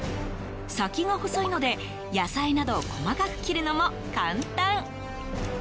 先が細いので野菜など細かく切るのも簡単。